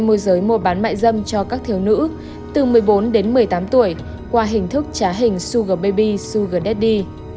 để mua giới mua bán mại dâm cho các thiếu nữ từ một mươi bốn đến một mươi tám tuổi qua hình thức trá hình sugar baby sugar daddy